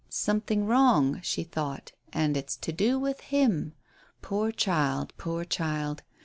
"Something wrong," she thought; "and it's to do with him. Poor child, poor child.